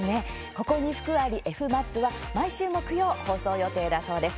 「ここに福ありｆＭＡＰ」は毎週木曜、放送予定だそうです。